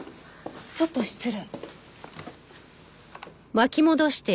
ちょっと失礼。